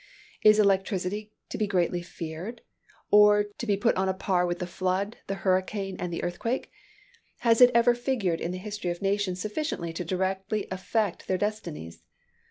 Is electricity to be greatly feared? to be put on a par with the flood, the hurricane, and the earthquake? Has it ever figured in the history of nations sufficiently to directly affect their destinies?